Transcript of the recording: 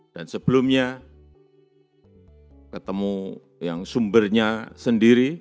dan sebelumnya ketemu yang sumbernya sendiri